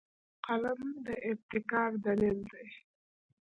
قلم د ابتکار دلیل دی